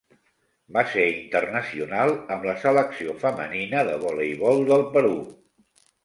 Va ser internacional amb la Selecció femenina de voleibol del Perú.